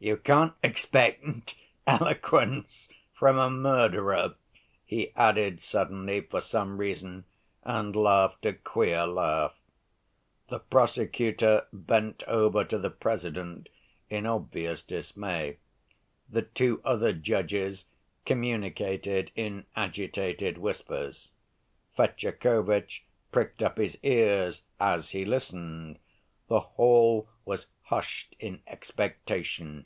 "You can't expect eloquence from a murderer," he added suddenly for some reason and laughed a queer laugh. The prosecutor bent over to the President in obvious dismay. The two other judges communicated in agitated whispers. Fetyukovitch pricked up his ears as he listened: the hall was hushed in expectation.